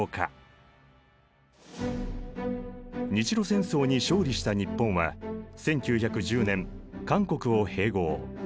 日露戦争に勝利した日本は１９１０年韓国を併合。